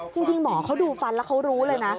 จริงหมอเขาดูฟันแล้วเขารู้เลยนะ